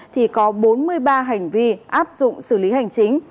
thì có bốn mươi ba hành vi áp dụng xử lý hành chính